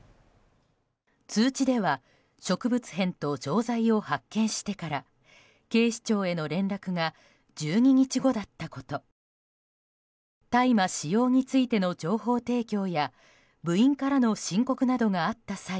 通知では植物片と錠剤を発見してから警視庁への連絡が１２日後だったこと大麻使用についての情報提供や部員からの申告などがあった際